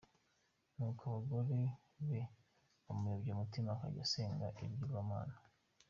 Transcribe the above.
Nuko abagore be bamuyobya umutima akajya asenga ibigirwamana .